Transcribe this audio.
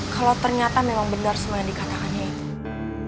kalau ternyata memang benar semua yang dikatakannya itu